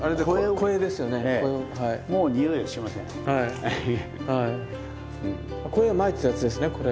肥をまいてたやつですねこれ。